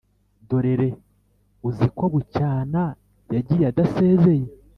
dorere uziko bucyana yagiye adasezeye